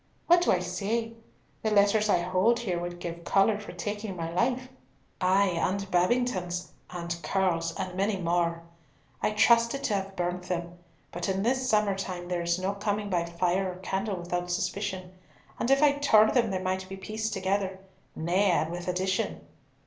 What do I say?—The letters I hold here would give colour for taking my life, ay, and Babington's and Curll's, and many more. I trusted to have burnt them, but in this summer time there is no coming by fire or candle without suspicion, and if I tore them they might be pieced together, nay, and with addition.